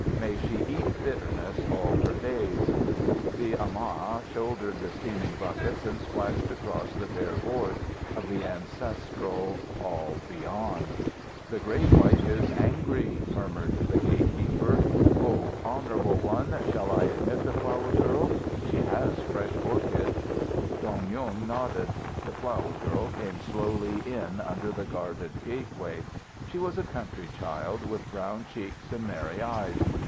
May she eat bitterness all her days!" The amah shouldered the steaming buckets and splashed across the bare boards of the ancestral hall beyond. "The great wife is angry," murmured the gate keeper. "Oh, Honourable One, shall I admit the flower girl? She has fresh orchids." Dong Yung nodded. The flower girl came slowly in under the guarded gateway. She was a country child, with brown cheeks and merry eyes.